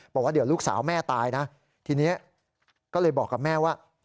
บอกว่าเดี๋ยวลูกสาวแม่ตายนะทีนี้ก็เลยบอกกับแม่ว่า